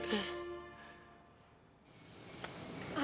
luki kangen bebe